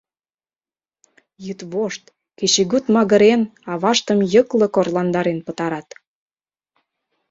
Йӱдвошт, кечыгут магырен, аваштым йыклык орландарен пытарат.